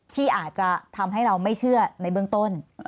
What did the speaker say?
ที่อาจจะทำให้เราไม่เชื่อในเบื้องต้น